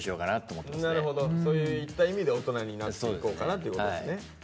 なるほどそういった意味で大人になっていこうかなということですね。